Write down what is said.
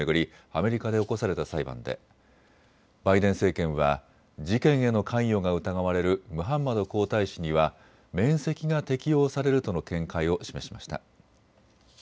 アメリカで起こされた裁判でバイデン政権は事件への関与が疑われるムハンマド皇太子には免責が適用されるとの見解を示しました。